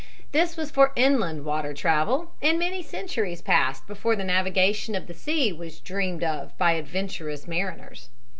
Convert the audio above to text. This was for inland water travel, and many centuries passed before the navigation of the sea was dreamed of by adventurous mariners.